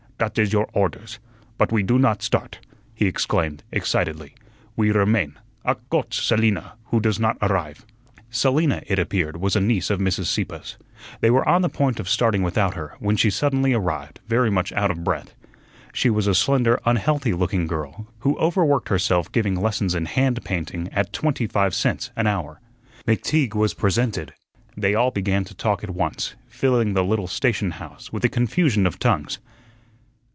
Dat is your orders. But we do not start," he exclaimed, excitedly; "we remain. Ach Gott, Selina, who does not arrive." Selina, it appeared, was a niece of Mrs. Sieppe's. They were on the point of starting without her, when she suddenly arrived, very much out of breath. She was a slender, unhealthy looking girl, who overworked herself giving lessons in hand painting at twenty five cents an hour. McTeague was presented. They all began to talk at once, filling the little station house with a confusion of tongues.